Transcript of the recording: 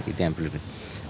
itu yang perlu dikatakan